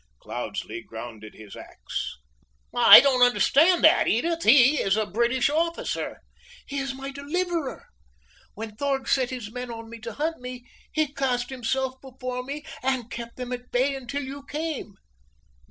Cloudesley grounded his ax. "I don't understand that, Edith! He is a British officer." "He is my deliverer! When Thorg set his men on me to hunt me, he cast himself before me, and kept them at bay until you came!"